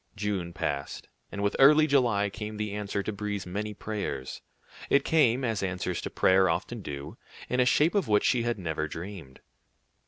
June passed, and with early July came the answer to Brie's many prayers. It came, as answers to prayer often do, in a shape of which she had never dreamed.